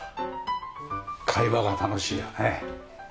会話が楽しいよね。